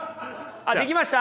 あっできました？